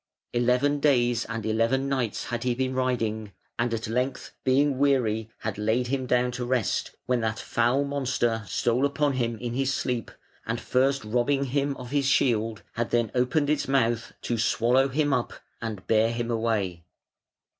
Eleven days and eleven nights had he been riding, and at length being weary had laid him down to rest, when that foul monster stole upon him in his sleep, and first robbing him of his shield, had then opened its mouth to swallow him up and bear him away.